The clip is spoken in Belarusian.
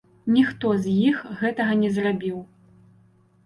Ніхто з іх гэтага не зрабіў.